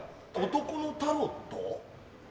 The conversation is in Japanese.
「男のタロット」。